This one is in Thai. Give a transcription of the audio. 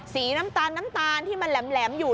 สีน้ำตาลที่มันแหลมอยู่